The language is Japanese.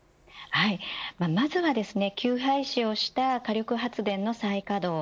まずは休廃止をした火力発電の再稼働